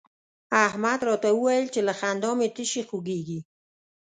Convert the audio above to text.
احمد راته وويل چې له خندا مې تشي خوږېږي.